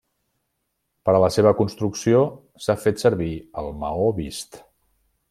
Per a la seva construcció s'ha fet servir el maó vist.